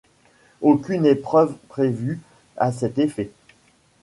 Aucune épreuve prévue à cet effet.